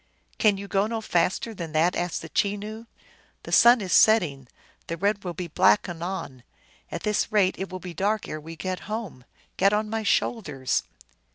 " Can you go no faster than that ?" asked the Che noo. " The sun is setting ; the red will be black anon. At this rate it will be dark ere we get home. Get on my shoulders."